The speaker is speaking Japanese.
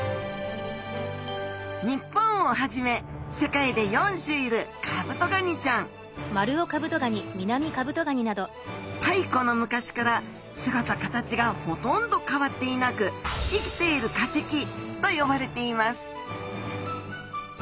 日本をはじめ世界で４種いるカブトガニちゃん太古の昔から姿形がほとんど変わっていなく生きている化石と呼ばれています